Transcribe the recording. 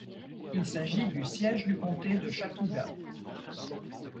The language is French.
Il s'agit du siège du comté de Chattooga.